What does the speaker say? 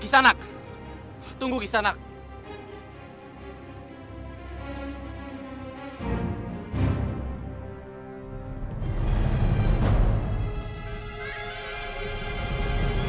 dia hanya ada satu anak kepadamu